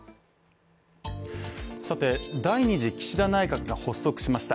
さて、第２次岸田内閣が発足しました。